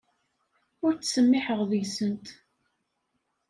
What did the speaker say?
Ur ttsemmiḥeɣ deg-sent.